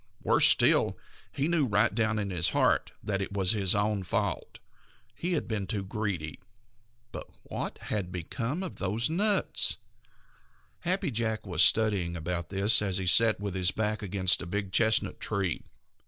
Worse still, he knew right down in his heart that it was his own fault. He had been too greedy. But what had become of those nuts? Happy Jack was studying about this as he sat with his back against a big chestnut tree.